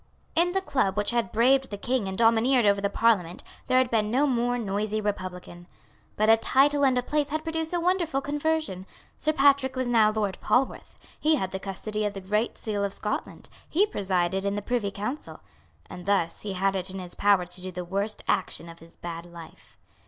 In the Club which had braved the King and domineered over the Parliament there had been no more noisy republican. But a title and a place had produced a wonderful conversion. Sir Patrick was now Lord Polwarth; he had the custody of the Great Seal of Scotland; he presided in the Privy Council; and thus he had it in his power to do the worst action of his bad life.